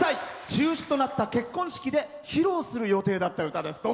中止となった結婚式で披露する予定だった歌です。